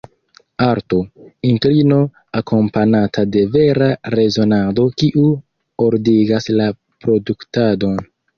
Arto: inklino akompanata de vera rezonado kiu ordigas la produktadon.